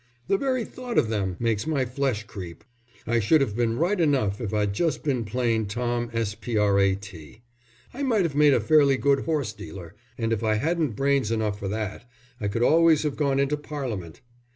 The very thought of them makes my flesh creep. I should have been right enough if I'd just been plain Tom Sprat. I might have made a fairly good horse dealer, and if I hadn't brains enough for that I could always have gone into Parliament.